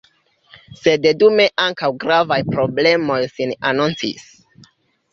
Sed dume ankaŭ gravaj problemoj sin anoncis.